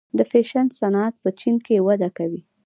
د فیشن صنعت هم په چین کې وده کوي.